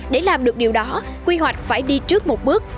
để làm được điều đó quy hoạch phải đi trước một bước